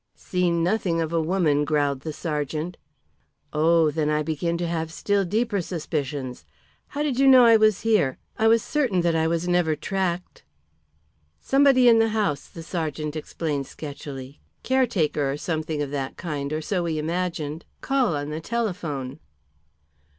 "Seen nothing of a woman," growled the sergeant. "Oh, then I begin to have still deeper suspicions. How did you know I was here? I was certain that I was never tracked." "Somebody in the house," the sergeant explained sketchily. "Caretaker or something of that kind, or so we imagined. Call on the telephone."